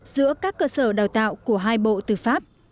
giữa các cơ sở đào tạo của hai bộ tư pháp